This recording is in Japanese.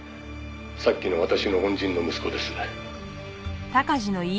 「さっきの私の恩人の息子です」